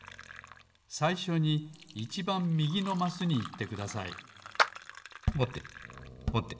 さいしょにいちばんみぎのマスにいってくださいぼてぼて。